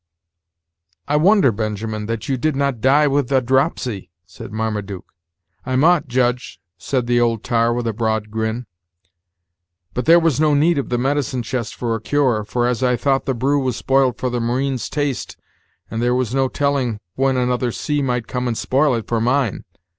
"I wonder, Benjamin, that you did not die with a dropsy!" said Marmaduke. "I mought, Judge," said the old tar, with a broad grin; "but there was no need of the medicine chest for a cure; for, as I thought the brew was spoilt for the marine's taste, and there was no telling when another sea might come and spoil it for mine.